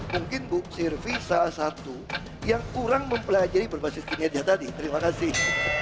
mungkin bu sirvi salah satu yang kurang mempelajari berbasis kinerja tadi terima kasih